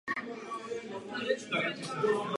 To může způsobit mnoho problémů.